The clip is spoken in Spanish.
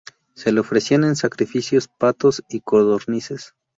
Se le ofrecían en sacrificios patos y codornices.